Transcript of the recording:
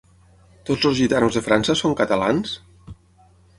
Tots els gitanos de França són catalans?